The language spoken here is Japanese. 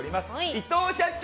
伊藤社長！